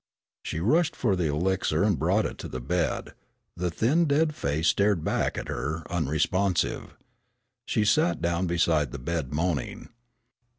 She rushed for the elixir and brought it to the bed. The thin dead face stared back at her, unresponsive. She sank down beside the bed, moaning.